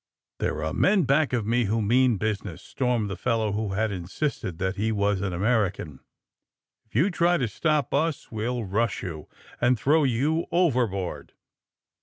*^ There are men back of me who mean busi ness !'' stormed the fellow who had insisted that he was an American. *^If you try to stop us, we'll rush you and throw you overboard."